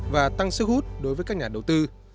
và tăng sức hút đối với các nhà đầu tư